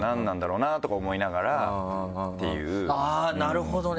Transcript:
あぁなるほどね！